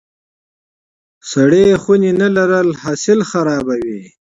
سړې خونې نه لرل حاصل خرابوي.